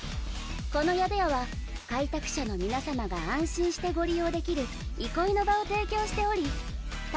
この宿屋は開拓者の皆様が安心してご利用できる憩いの場を提供しており例えば。